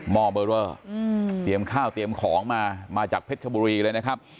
ห้อเบอร์เรอเตรียมข้าวเตรียมของมามาจากเพชรชบุรีเลยนะครับ